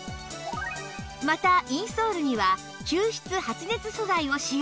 またインソールには吸湿発熱素材を使用